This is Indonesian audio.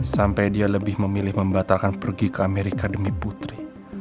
sampai dia lebih memilih membatalkan pergi ke amerika demi putri